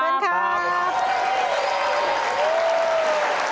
เชิญครับ